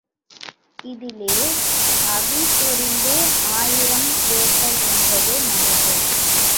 இதிலே, அவிசொரிந்து ஆயிரம் வேட்டல் என்பது மரபு.